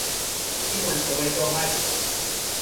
He went to Waco High School.